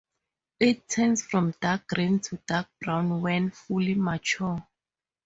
It turns from dark green to dark brown when fully mature.